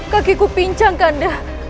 kakiku pincang kanda